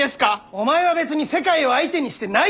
お前は別に世界を相手にしてないだろう！？